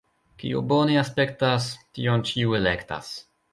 Kio bone aspektas, tion ĉiu elektas.